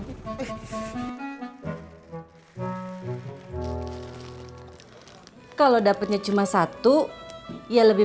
tapi kalo wilayah kor ondo masih jualani